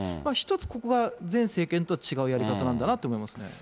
一つここが前政権とは違うやり方なんだと思いますね。